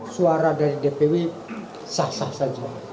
suara dari dpw sah sah saja